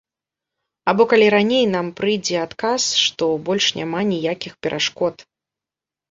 Або калі раней нам прыйдзе адказ, што больш няма ніякіх перашкод.